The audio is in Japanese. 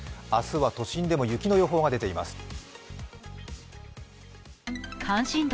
明日は都心でも雪の予報が出ています。